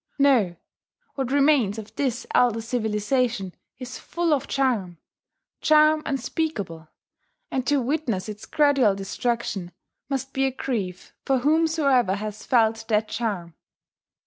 No: what remains of this elder civilization is full of charm, charm unspeakable, and to witness its gradual destruction must be a grief for whomsoever has felt that charm.